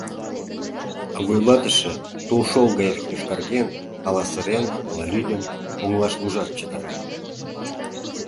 А вуйлатыше тулшол гай йошкарген, ала сырен, ала лӱдын, оҥылаш лужат чытыра.